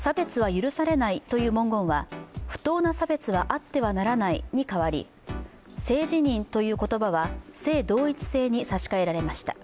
許されないという文言は不当な差別はあってはならないに変わり性自認という言葉は、性同一性に差し替えられました。